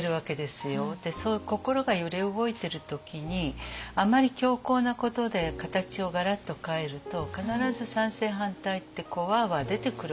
そういう心が揺れ動いてる時にあまり強硬なことで形をガラッと変えると必ず賛成反対ってわあわあ出てくるわけですよね。